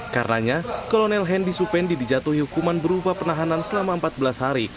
karenanya kolonel hendy supendi dijatuhi hukuman berupa penahanan selama empat belas hari